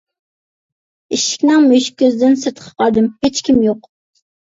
ئىشىكنىڭ مۈشۈك كۆزىدىن سىرتقا قارىدىم، ھېچكىم يوق.